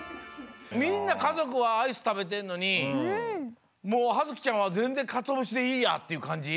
みんなかぞくはアイスたべてんのにもうはづきちゃんはぜんぜんカツオ節でいいやっていうかんじ？